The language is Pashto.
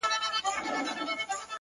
گوره وړې زيارت ته راسه زما واده دی گلي _